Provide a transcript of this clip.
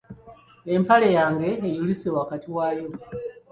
Empale yange eyulise wakati wayo.